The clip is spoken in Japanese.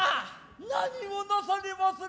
何をなされまする。